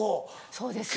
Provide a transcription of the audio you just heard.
そうですよ。